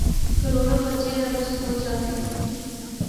کروڑوں بچے ہر روزسکول جا تے ہیں۔